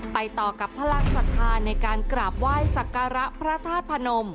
ไปต่อกับพระลักษฐาในการกราบไหว้ศักราพระทาสพานม